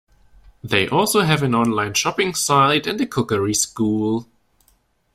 They also have an online shopping site and a "cookery school".